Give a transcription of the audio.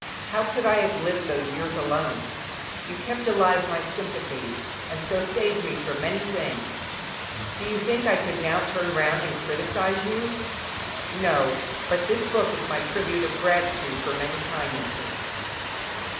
How could I have lived those years alone? You kept alive my sympathies, and so saved me from many things. Do you think I could now turn round and criticise you? No; but this book is my tribute of gratitude for many kindnesses.